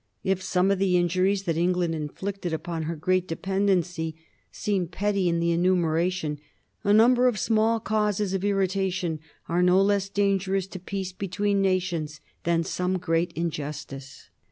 If some of the injuries that England inflicted upon her great dependency seem petty in the enumeration, a number of small causes of irritation are no less dangerous to peace between nations than some great injustice.